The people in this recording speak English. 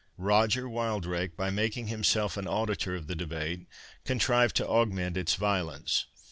Roger Wildrake, by making himself an auditor of the debate, contrived to augment its violence.